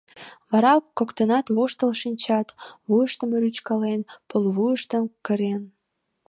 Вара коктынат воштыл шинчат, вуйыштым рӱчкален, пулвуйыштым кырен.